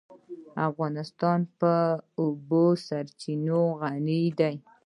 افغانستان په د اوبو سرچینې غني دی.